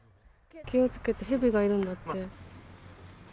気をつけて、ヘビがいるんだって。